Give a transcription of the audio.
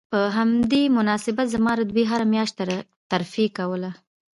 په همدې مناسبت زما رتبې هره میاشت ترفیع کوله